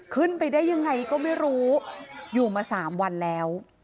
ขึ้นไปได้ยังไงก็ไม่รู้อยู่มา๓วันแล้ว